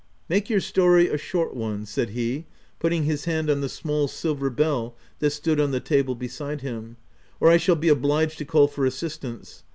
"Make your story a short one/' said he, putting his hand on the small silver bell that stood on the table beside him, —* or I shall be obliged to call for assistance.